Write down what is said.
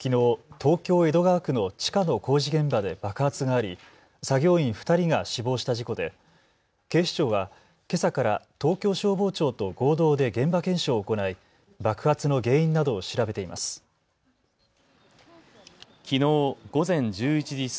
東京江戸川区の地下の工事現場で爆発があり作業員２人が死亡した事故で警視庁はけさから東京消防庁と合同で現場検証を行い爆発の原因などを調べています。